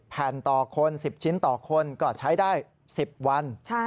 แผ่นต่อคน๑๐ชิ้นต่อคนก็ใช้ได้๑๐วัน